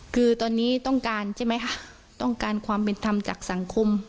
คือตอนนี้ต้องการใช่ไหมคะต้องการความเป็นธรรมจากสังคม